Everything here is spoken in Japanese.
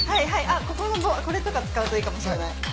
あっここのこれとか使うといいかもしれない。